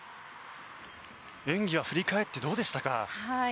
演技は振り返ってどうでしたか？